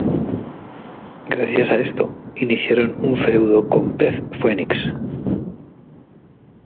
Gracias a esto, iniciaron un feudo con Beth Phoenix.